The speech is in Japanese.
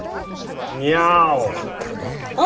「にゃお」。